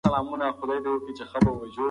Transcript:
ټیکنالوژي به ژوند اسانه کړي.